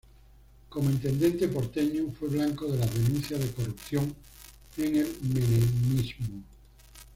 Como Intendente porteño fue blanco de las denuncias de corrupción en el menemismo.